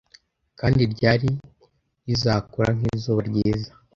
kandi ryari rizakura nk'izuba ryiza